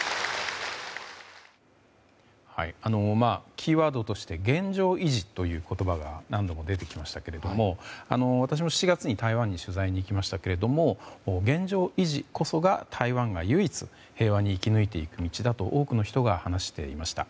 キーワードとして現状維持という言葉が何度も出てきましたけれども私も７月に台湾に取材に行きましたが現状維持こそが、台湾が唯一平和に生き抜いていく道だと多くの人が話していました。